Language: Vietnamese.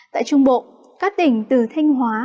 tại trung bộ các tỉnh từ thanh hóa